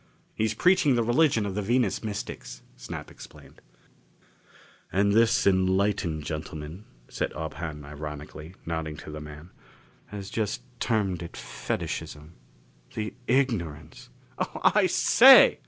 "He's preaching the religion of the Venus mystics," Snap explained. "And this enlightened gentleman," said Ob Hahn ironically, nodding to the man, "has just termed it fetishism. The ignorance " "Oh, I say!"